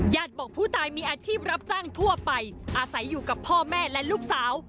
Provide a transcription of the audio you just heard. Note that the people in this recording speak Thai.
บอกผู้ตายมีอาชีพรับจ้างทั่วไปอาศัยอยู่กับพ่อแม่และลูกสาว